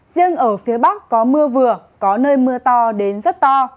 riêng ở phía bắc có mưa vừa có nơi mưa to đến rất to